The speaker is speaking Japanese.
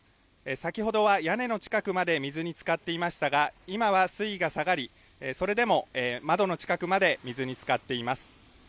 先ほどは屋根の近くまで水につかっていましたが今は水位が下がり、それでも窓の近くまで水につかっています。